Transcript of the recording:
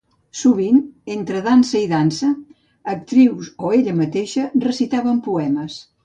Sovint, entre dansa i dansa, actrius o ella mateixa recitaven poemes.